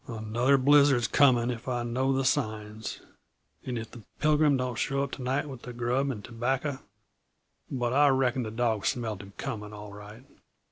"Another blizzard coming, if I know the signs. And if the Pilgrim don't show up to night with the grub and tobacco But I reckon the dawg smelt him coming, all right."